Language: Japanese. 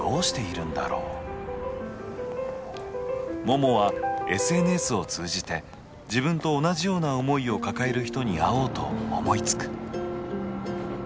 ももはＳＮＳを通じて自分と同じような思いを抱える人に会おうと思いつく。